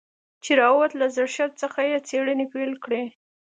چې راووت له زړښت څخه يې څېړنې پيل کړې.